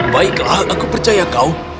baiklah aku percaya kau